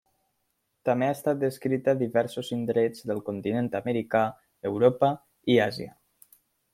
També ha estat descrita a diversos indrets del continent americà, Europa i Àsia.